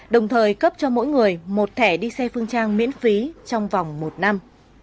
đồng thời cấp cho mỗi người một thẻ đi xe phương trang miễn phí trong vòng một năm